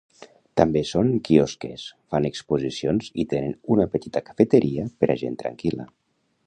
També són quiosquers, fan exposicions i tenen una petita cafeteria per a gent tranquil·la.